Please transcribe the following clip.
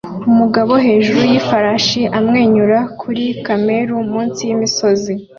Umugabo hejuru yifarashi amwenyura kuri kamera munsi yimisozi